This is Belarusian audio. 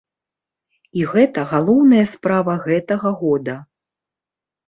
І гэта галоўная справа гэтага года.